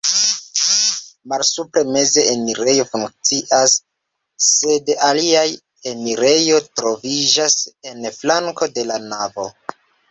Malsupre meze enirejo funkcias, sed alia enirejo troviĝas en flanko de la navo.